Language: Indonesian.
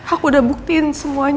aku udah buktiin semuanya ke nino